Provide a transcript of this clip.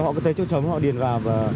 họ cứ tới chỗ trống họ điền vào